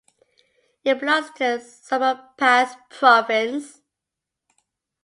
It belongs to the Sumapaz Province.